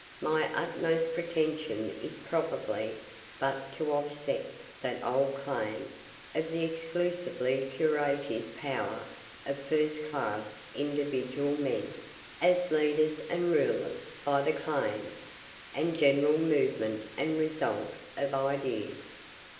My utmost pretension is probably but to offset that old claim of the exclusively curative power of first class individual men, as leaders and rulers, by the claims, and general movement and result, of ideas.